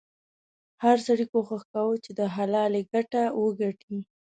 هر سړي کوښښ کاوه چې د حلالې ګټه وګټي.